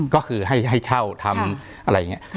ก็คือให้เช่าทำอะไรอย่างนี้